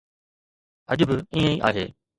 اڄ به ائين ئي آهي.